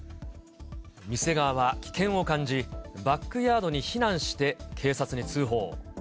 店側は危険を感じ、バックヤードに避難して警察に通報。